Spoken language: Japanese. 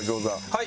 はい。